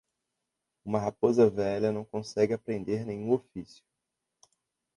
Uma raposa velha não consegue aprender nenhum ofício.